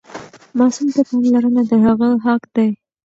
ماسوم ته پاملرنه د هغه حق دی.